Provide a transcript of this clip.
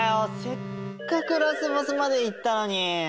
せっかくラスボスまで行ったのに！